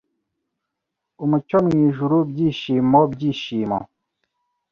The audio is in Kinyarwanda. Umucyo mwijuru Byishimo Byishimo